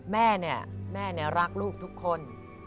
แม่เนี่ยแม่รักลูกทุกคน